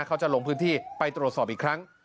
เขาจะลงพื้นที่ไปตรวจสอบอีกครั้ง